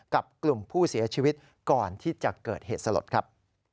กับกลุ่มผู้เสียชีวิตก่อนที่จะเกิดเหตุสลดครับ